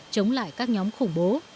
chống lại các nhóm khủng bố